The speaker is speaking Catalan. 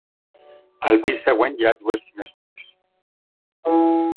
Al pis següent hi ha dues finestres.